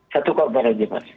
satu korban saja mas